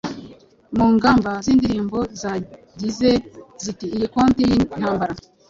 Mu ngamba-zindirimbo zagize ziti Iyi koti-y-intambara